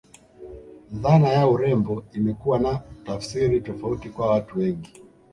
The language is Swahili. Dhana ya urembo imekuwa na tafsiri tofauti kwa watu wengi